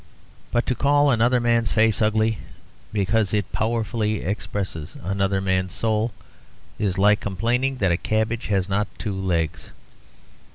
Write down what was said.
But to call another man's face ugly because it powerfully expresses another man's soul is like complaining that a cabbage has not two legs.